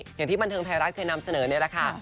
วันหน้าก่อนที่บันทึงไทยรักทร์เธอนำเสนอเนี่ยแหละค่ะ